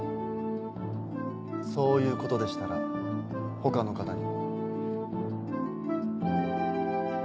そういうことでしたら他の方に。